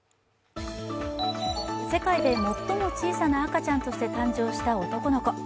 世界で最も小さな赤ちゃんとして誕生した男の子。